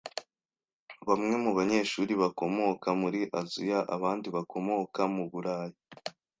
Bamwe mu banyeshuri bakomoka muri Aziya abandi bakomoka mu Burayi.